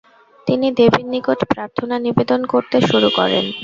তিনি দেবীর নিকট প্রার্থনা নিবেদন করতে শুরু করেন।